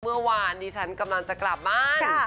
เมื่อวานนี้ฉันกำลังจะกลับบ้าน